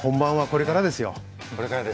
これからですか。